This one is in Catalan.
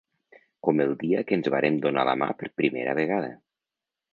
Com el dia que ens vàrem donar la mà per primera vegada.